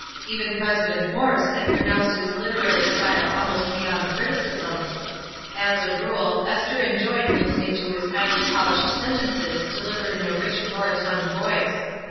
Even President Morse had pronounced his literary style almost beyond criticism. As a rule, Esther enjoyed Ustening to his highly polished sentences de livered in a rich, orotimd voice.